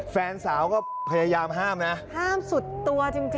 แฟนสาวก็พยายามห้ามนะห้ามสุดตัวจริง